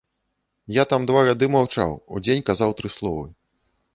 Я там два гады маўчаў, у дзень казаў тры словы.